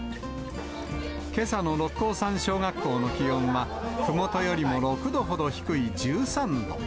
けさの六甲山小学校の気温はふもとよりも６度ほど低い１３度。